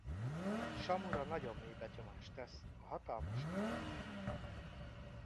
Samura nagyon mély benyomást tesz a hatalmas állat.